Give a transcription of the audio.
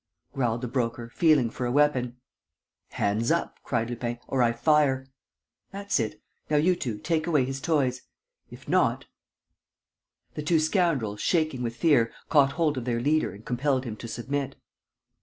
growled the Broker, feeling for a weapon. "Hands up," cried Lupin, "or I fire! ... That's it. ... Now, you two, take away his toys. ... If not ...!" The two scoundrels, shaking with fear, caught hold of their leader and compelled him to submit.